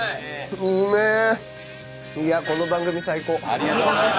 ありがとうございます。